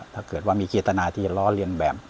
ถ้าเกิดว่ามีเจตนาที่จะล้อเลียนแบบ